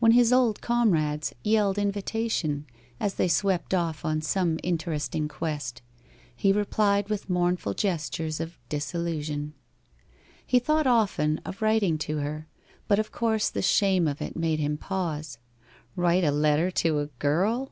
When his old comrades yelled invitation, as they swept off on some interesting quest, he replied with mournful gestures of disillusion. He thought often of writing to her, but of course the shame of it made him pause. Write a letter to a girl?